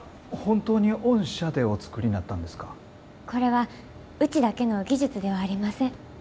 これはうちだけの技術ではありません。